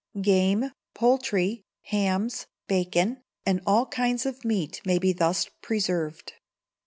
Game, poultry, hams, bacon, and all kinds of meat may be thus preserved.